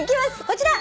こちら。